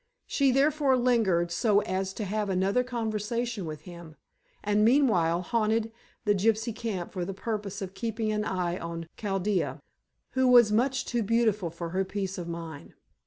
She therefore lingered so as to have another conversation with him, and meanwhile haunted the gypsy camp for the purpose of keeping an eye on Chaldea, who was much too beautiful for her peace of mind.